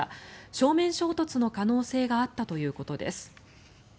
正面衝突の可能性があったということです。